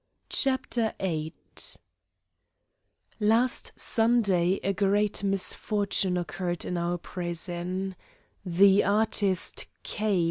CHAPTER VIII Last Sunday a great misfortune occurred in our prison: The artist K.